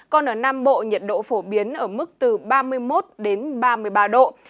còn ở nam bộ nhiệt độ phổ biến ở mức từ ba mươi một ba mươi ba độ